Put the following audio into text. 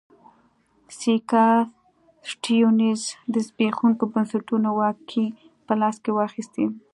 سیاکا سټیونز د زبېښونکو بنسټونو واګې په لاس کې واخیستې.